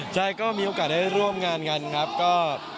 ใช่ก็มีโอกาสได้ร่วมงานกันครับ